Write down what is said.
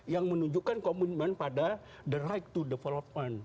yang menunjukkan komitmen pada the right to development